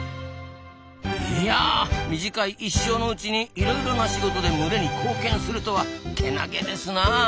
いや短い一生のうちにいろいろな仕事で群れに貢献するとはけなげですなあ。